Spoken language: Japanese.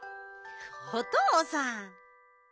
おとうさん。